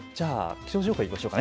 気象情報、いきましょう。